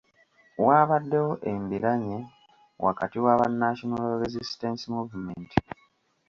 Waabaddewo embiranye wakati wa banna National Resistance Movement.